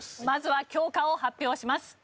まずは教科を発表します。